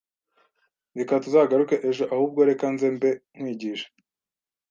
reka tuzagaruke ejo; ahubwo reka nze mbe nkwigisha